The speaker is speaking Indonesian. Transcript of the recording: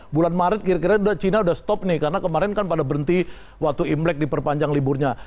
bulan maret kira kira cina udah stop nih karena kemarin kan pada berhenti waktu imlek diperpanjang liburnya